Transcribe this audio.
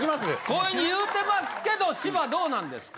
こういうふうに言うてますけど芝どうなんですか？